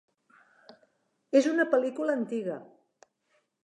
És una pel·lícula antiga.